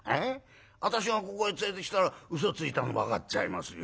私がここへ連れてきたら嘘ついたの分かっちゃいますよ。